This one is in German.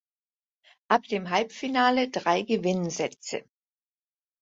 Ab dem Halbfinale drei Gewinnsätze.